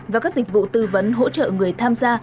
và các dịch vụ tư vấn hỗ trợ người tham gia